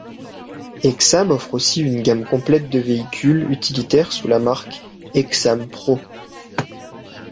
Aixam offre aussi une gamme complète de véhicules utilitaires sous la marque Aixam Pro.